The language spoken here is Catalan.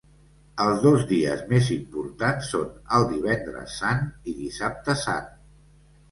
El dos dies més important són el Divendres Sant i Dissabte Sant.